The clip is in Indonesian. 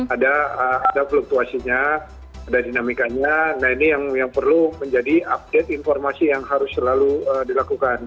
ada fluktuasinya ada dinamikanya nah ini yang perlu menjadi update informasi yang harus selalu dilakukan